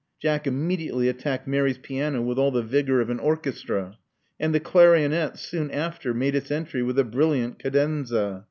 Jack immediately attacked Mary's piano with all the vigor of an orchestra ; and the clarionet soon after made its entry with a brilliant cadenza.